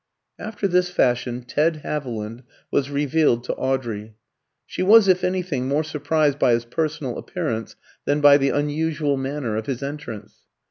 After this fashion Ted Haviland was revealed to Audrey. She was, if anything, more surprised by his personal appearance than by the unusual manner of his entrance.